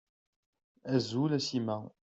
Azul a Sima.